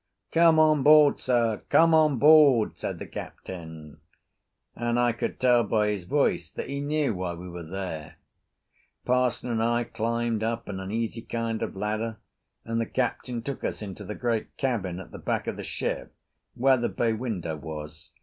"Come on board, sir; come on board," said the Captain, and I could tell by his voice that he knew why we were there. Parson and I climbed up an uneasy kind of ladder, and the Captain took us into the great cabin at the back of the ship, where the bay window was.